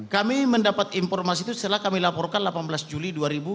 kami mendapat informasi itu setelah kami laporkan delapan belas juli dua ribu dua puluh